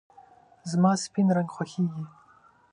زما سپین رنګ خوښېږي .